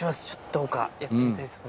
どうかやってみたいです